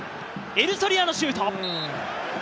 エルソリアのシュート！